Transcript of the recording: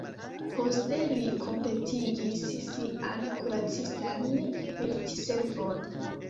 Poste li kompletigis sian kuracistan militservon.